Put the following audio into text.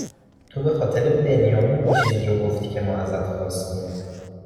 تو به خاطر بنیامین، اون چیزی رو گفتی که ما ازت خواستیم